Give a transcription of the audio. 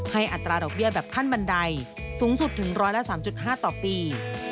อัตราดอกเบี้ยแบบขั้นบันไดสูงสุดถึง๑๐๓๕ต่อปี